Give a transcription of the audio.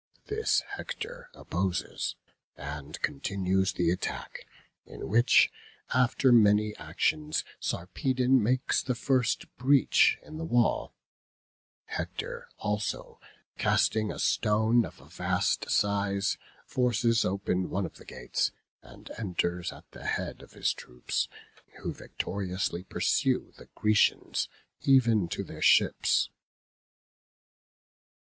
This Hector opposes, and continues the attack; in which, after many actions, Sarpedon makes the first breach in the wall: Hector also, casting a stone of a vast size, forces open one of the gates, and enters at the head of his troops, who victoriously pursue the Grecians even to their ships.